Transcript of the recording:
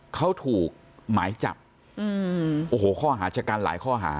เขาถูกหมายจับโอ้โหข้อหาชะกันหลายข้อหา